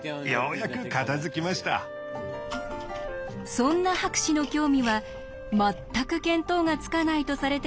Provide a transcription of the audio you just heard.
そんな博士の興味は全く見当がつかないとされてきた